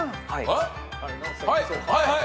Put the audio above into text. はいはい！